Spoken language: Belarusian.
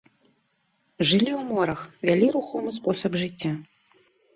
Жылі ў морах, вялі рухомы спосаб жыцця.